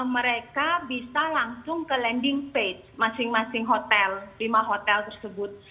mereka bisa langsung ke landing page masing masing hotel lima hotel tersebut